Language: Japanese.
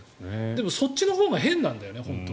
でも、そっちのほうが変なんだよね。